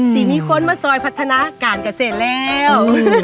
มีคนมาซอยพัฒนาการเกษตรแล้ว